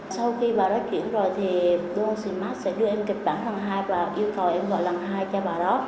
sau khi bà đó chuyển rồi thì đối tượng smart sẽ đưa em kịch bản thằng hai và yêu cầu em gọi thằng hai cho bà đó